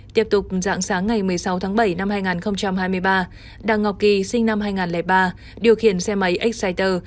tiếp tục dạng sáng ngày một mươi sáu tháng bảy năm hai nghìn hai mươi ba đào ngọc kỳ sinh năm hai nghìn ba điều khiển xe máy exciter